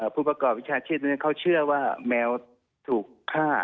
ผู้ประกอบวิชาชีพนั้นเขาเชื่อว่าแมวถูกฆ่า